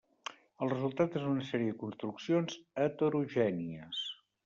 El resultat és una sèrie de construccions heterogènies.